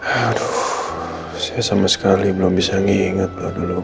aduh saya sama sekali belum bisa nginget loh dulu